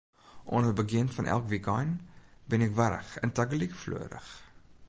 Oan it begjin fan elk wykein bin ik warch en tagelyk fleurich.